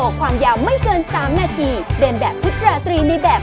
ก็รู้สึกมีความเสียใจและผิดหวังอยู่แล้วนะครับทุกคนที่ตกล่อไปนะครับ